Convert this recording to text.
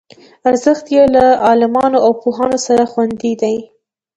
ارزښت یې له عالمانو او پوهانو سره خوندي دی.